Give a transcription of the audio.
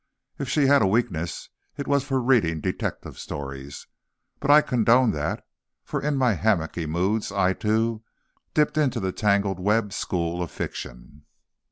If she had a weakness, it was for reading detective stories, but I condoned that, for in my hammocky moods I, too, dipped into the tangled web school of fiction.